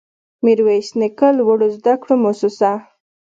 ميرويس نيکه لوړو زده کړو مؤسسه